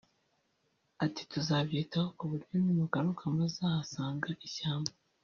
ati “tuzabyitaho ku buryo nimugaruka muzahasanga ishyamba